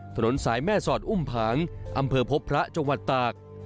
ถนนสายแม่สอดอุ้มผังอำเภอพบพระจังหวัดตาก